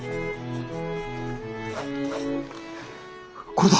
これだ。